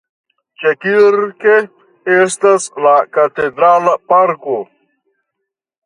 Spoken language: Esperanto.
Ĉekirke estas la Katedrala parko.